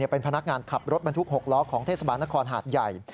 เป็นพนักงานขับรถบรรทุก๖ล้อของเทศบาลนครหาดใหญ่